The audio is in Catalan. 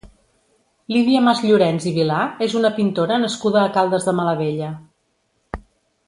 Lídia Masllorens i Vilà és una pintora nascuda a Caldes de Malavella.